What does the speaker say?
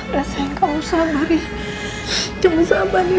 rasain kamu sabar ya jangan sabar ya